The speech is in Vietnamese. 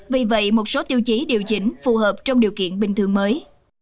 vì vậy một số tiêu chí điều chỉnh phù hợp trong điều kiện bình thường mới